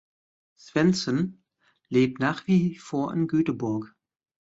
Svensson lebt nach wie vor in Göteborg.